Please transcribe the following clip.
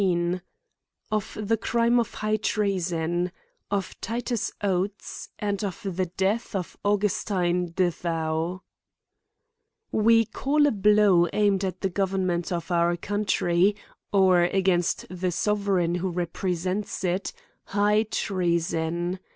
XV Of the crime of nigh Treason, Of Titus Oate^ ; and of the death of Jiugustine de Thou, WE call a blow aimed at the government of our country, or against the sovereign, who repre sents it, High treason.